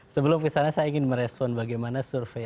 sebelum kesana saya ingin merespon bagaimana survei